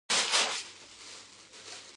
قطعاً مې نه درتکراروله.